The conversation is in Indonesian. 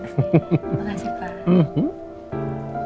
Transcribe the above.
terima kasih pak